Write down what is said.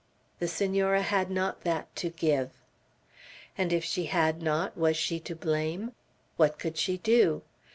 The Senora had not that to give. And if she had it not, was she to blame? What could she do?